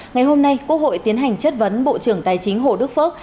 ngày hôm nay quốc hội tiến hành chất vấn bộ trưởng tài chính hồ đức phước